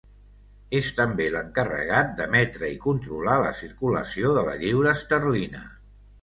És també l'encarregat d'emetre i controlar la circulació de la lliura esterlina.